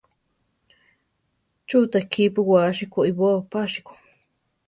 Chú ta kípu wási koʼibóo pásiko?